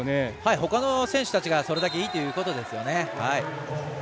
ほかの選手たちがそれだけいいということですね。